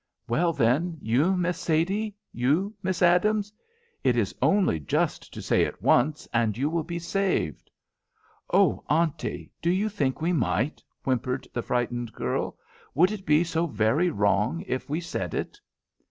"Well then, you, Miss Sadie? You, Miss Adams? It is only just to say it once, and you will be saved." "Oh, Auntie, do you think we might?" whimpered the frightened girl. "Would it be so very wrong if we said it?"